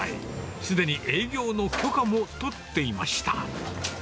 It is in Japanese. すでに営業の許可も取っていました。